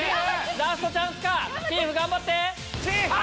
ラストチャンスか⁉チーフ頑張って！